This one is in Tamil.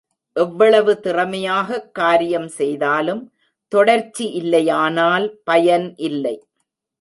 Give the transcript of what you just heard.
எவ்வளவு திறமையாகக் காரியம் செய் தாலும் தொடர்ச்சி இல்லையானால் பயன் இல்லை.